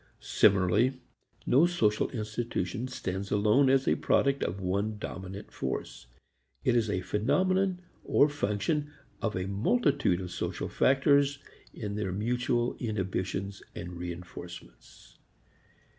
Similarly, no social institution stands alone as a product of one dominant force. It is a phenomenon or function of a multitude of social factors in their mutual inhibitions and reinforcements.